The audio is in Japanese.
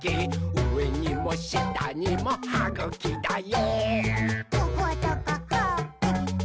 うえにもしたにもはぐきだよ！」